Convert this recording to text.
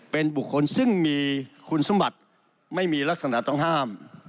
เป็นบุคคลซึ่งมีคุณสมบัติไม่มีลักษณะต้องห้าม